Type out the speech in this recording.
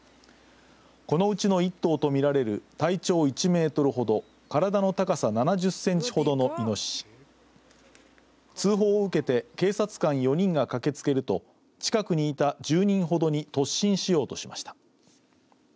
このうちの１頭とみられる体長１メートルほどの体の高さ７０センチほどのいのしし通報を受けて警察官４人が駆けつけると近くにいた１０人ほどに突進しようとしました。